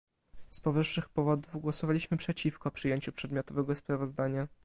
Z powyższych powodów głosowaliśmy przeciwko przyjęciu przedmiotowego sprawozdania